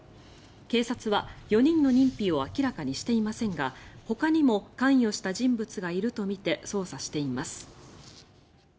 警察は４人の認否を明らかにしていませんがほかにも関与した人物がいるとみて捜査しています。